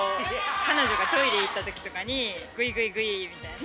彼女がトイレ行ったときとかに、ぐいぐいぐいみたいな。